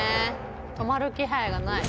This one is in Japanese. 「止まる気配がない」